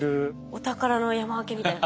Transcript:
お宝の山分けみたいな感じ。